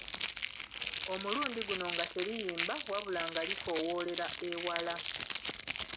Omulundi guno nga teriyimba wabula nga likoowoolera ewala.